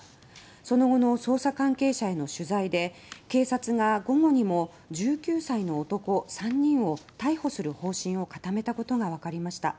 その後の捜査関係者への取材で警察が午後にも１９歳の男３人を逮捕する方針を固めたことがわかりました。